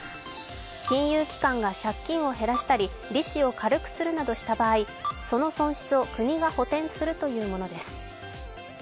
金融機関が借金を減らしたり利子を軽くするなどした場合その損失を、国が補填するというものです。